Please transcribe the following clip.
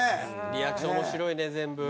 リアクション面白いね全部。